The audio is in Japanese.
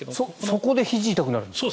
そこでひじが痛くなるんですか？